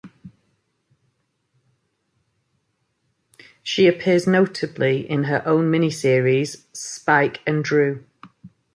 She appears notably in her own mini-series: "Spike and Dru".